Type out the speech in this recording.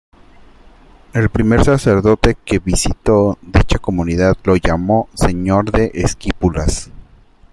El primer sacerdote que visitó dicha comunidad lo llamó "Señor de Esquipulas".